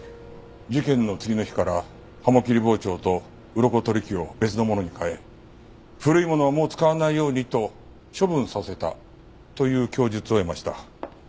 事件の次の日から鱧切り包丁とうろこ取り器を別のものに替え古いものはもう使わないようにと処分させたという供述を得ました。